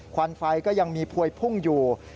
ควันไฟก็ยังมีพวยพุ่งอยู่